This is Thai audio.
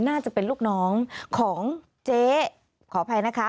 น่าจะเป็นลูกน้องของเจ๊ขออภัยนะคะ